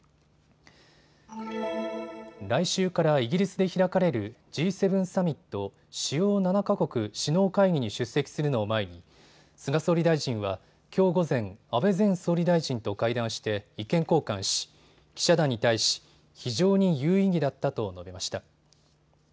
来週からイギリスで開かれるＧ７サミット・主要７か国首脳会議に出席するのを前に菅総理大臣はきょう午前、安倍前総理大臣と会談して意見交換し、記者団に対し非常に有意義だったと述べました。